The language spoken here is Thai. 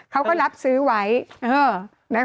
เขาก็รับซื้อไว้นะคะ